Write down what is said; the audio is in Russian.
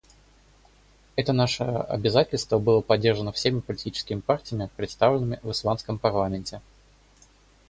Это наше обязательство было поддержано всеми политическими партиями, представленными в исландском парламенте.